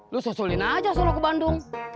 lo susulin aja soalnya ke bandung